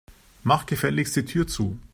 Mach gefälligst die Tür zu.